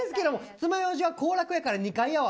爪楊枝は行楽やから２階やわ。